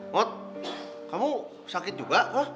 mot kamu sakit juga